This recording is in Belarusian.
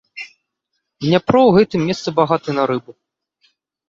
Дняпро ў гэтым месцы багаты на рыбу.